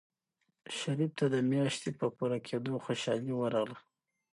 شریف ته د میاشتې په پوره کېدو خوشحالي ورغله.